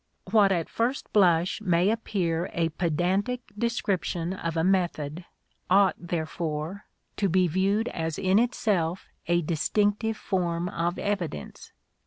What at first blush may appear a pedantic de scription of a method ought, therefore, to be viewed as in itself a distinctive form of evidence.